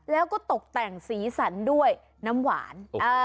แล้วก็ตกแต่งสีสันด้วยน้ำหวาน